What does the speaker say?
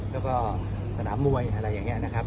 แล้วก็สนามมวยอะไรอย่างนี้นะครับ